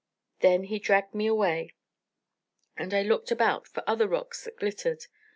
Then he dragged me away, and I looked about for other rocks that glittered.